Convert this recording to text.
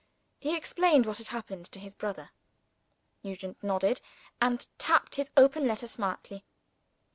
He explained what had happened to his brother. Nugent nodded, and tapped his open letter smartly.